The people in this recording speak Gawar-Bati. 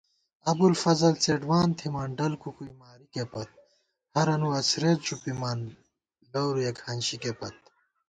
ابُوالفضل څېڈوان تھِمان، ڈل کُکُوئی مارِکےپت * ہرَنُو اڅَھرېت ݫُپِمان لَورُیَہ کھانشِکےپت